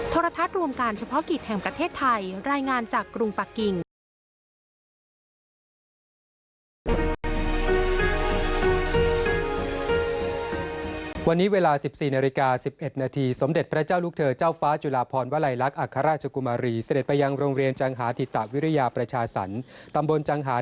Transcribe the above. โทรทัศน์รวมการเฉพาะกิจแห่งประเทศไทยรายงานจากกรุงปะกิ่ง